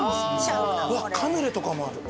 うわカヌレとかもある。